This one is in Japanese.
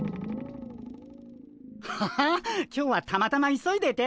ハハ今日はたまたま急いでて。